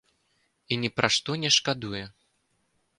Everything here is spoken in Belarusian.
І ні пра што не шкадуе.